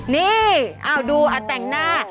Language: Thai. นี้อ่าตั้งหน้า